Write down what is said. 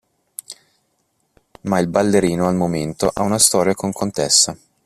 Ma il ballerino al momento ha una storia con Contessa.